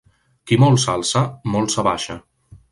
Qui molt s'alça, molt s'abaixa.